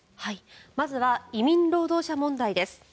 まずは移民労働者問題です。